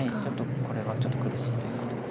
これはちょっと苦しいということです。